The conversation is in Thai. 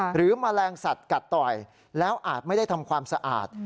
แมลงสัตว์กัดต่อยแล้วอาจไม่ได้ทำความสะอาด